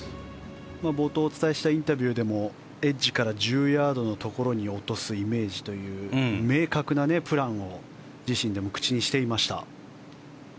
冒頭のインタビューでもエッジから１０ヤードぐらいに落とすイメージという明確なプランを自身でも口にしていました。